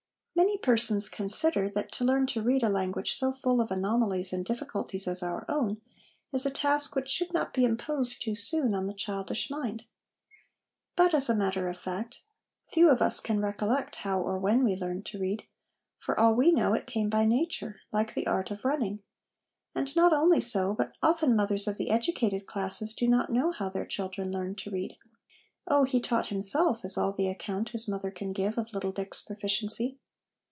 Many persons consider that to learn to read a language so full of anomalies and difficulties as our own is a task which should not be imposed too soon on the childish mind. But, as a matter of fact, few of us can recollect how or when we learned to read : for all we know, it came by nature, like the art of running ; and not only so, but often mothers of the educated classes do not know how their children learned to read. * Oh, he taught himself,' is all the account his mother can give of little Dick's pro ficiency.